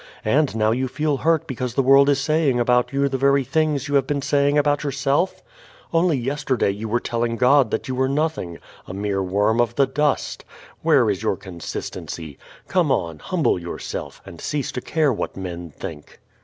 And now you feel hurt because the world is saying about you the very things you have been saying about yourself? Only yesterday you were telling God that you were nothing, a mere worm of the dust. Where is your consistency? Come on, humble yourself, and cease to care what men think."